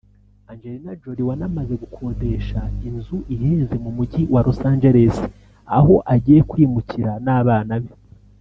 Angelina Jolie wanamaze gukodesha inzu ihenze mu Mujyi wa Los Angeles aho agiye kwimukira n’abana be